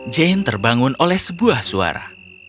jane terbangun oleh sebuah suara